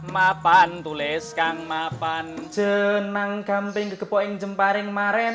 mapan tuliskan mapan jenang kambing kepoing jempar yang mare